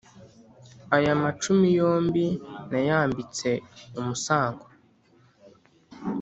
Aya macumi yombi nayambitse umusango